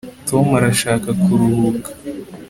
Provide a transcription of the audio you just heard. tom arashaka kuruhuka